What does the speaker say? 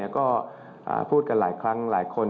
ก็พูดกันหลายครั้งหลายคน